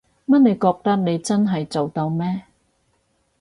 乜你覺得你真係做到咩？